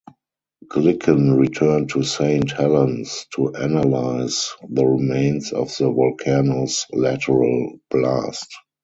Glicken returned to Saint Helens to analyze the remains of the volcano's lateral blast.